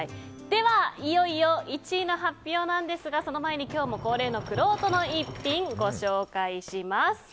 では、いよいよ１位の発表なんですがその前に今日も恒例のくろうとの逸品をご紹介します。